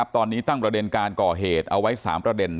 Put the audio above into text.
ตอนนี้ตั้งประเด็นการก่อเหตุเอาไว้๓ประเด็น